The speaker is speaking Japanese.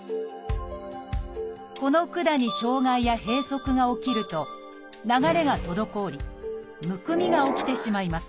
この管に障害や閉塞が起きると流れが滞りむくみが起きてしまいます。